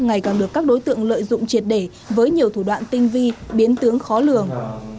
ngày càng được các đối tượng lợi dụng triệt để với nhiều thủ đoạn tinh vi biến tướng khó lường